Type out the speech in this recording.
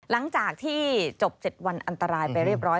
หลังจากที่จบ๗วันอันตรายไปเรียบร้อย